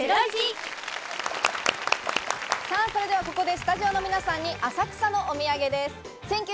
ここでスタジオの皆さんに浅草のお土産です。